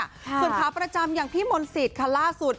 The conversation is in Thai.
ส่วนขาประจำอย่างพี่มนต์สิทธิ์ค่ะล่าสุด